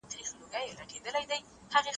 د ده په زړه کې د اور لمبې ولې بلې دي؟